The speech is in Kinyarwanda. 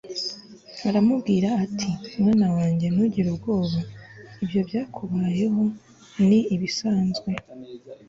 aramubwira ati mwana wange ntugire ubwoba. ibyo byakubayeho ni ibisanzwe